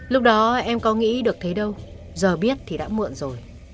lúc đó em có nghĩ được thấy đâu giờ biết thì đã muộn rồi